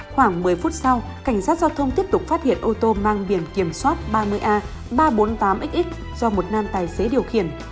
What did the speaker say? khoảng một mươi phút sau cảnh sát giao thông tiếp tục phát hiện ô tô mang biển kiểm soát ba mươi a ba trăm bốn mươi tám x do một nam tài xế điều khiển